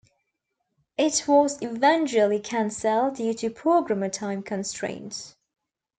It was eventually cancelled due to programmer time constraints.